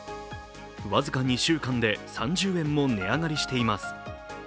僅か２週間で３０円も値上がりしています。